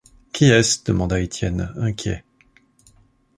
Qui est-ce? demanda Étienne inquiet.